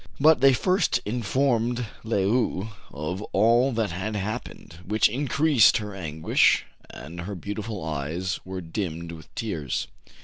But they first informed Le ou of all that had happened, which increased her anguish, and her beautiful eyes were dimmed with tears.